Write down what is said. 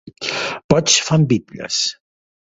Boigs fan bitlles.